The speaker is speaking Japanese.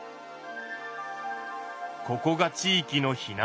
ここが地域の避難所。